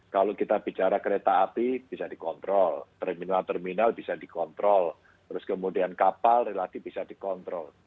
kalau kita bicara kereta api bisa dikontrol terminal terminal bisa dikontrol terus kemudian kapal relatif bisa dikontrol